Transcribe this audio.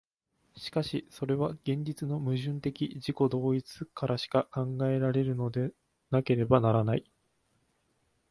しかしそれは現実の矛盾的自己同一からしか考えられるのでなければならない。